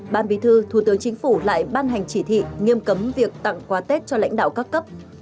ban bí thư thủ tướng chính phủ lại ban hành chỉ thị nghiêm cấm việc tặng quà tết cho lãnh đạo các cấp